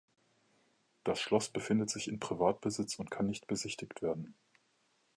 Das Schloss befindet sich in Privatbesitz und kann nicht besichtigt werden.